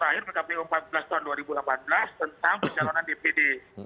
dan juga pkpu yang sudah kami lakukan di dua ribu delapan belas tentang pencalonan dpd